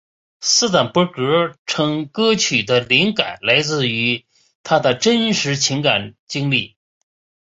斯坦伯格称歌曲的灵感来源于他的真实情感经历。